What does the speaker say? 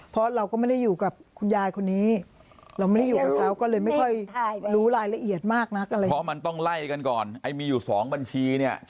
เพราะเราก็ไม่ได้อยู่กับคุณยายคนนี้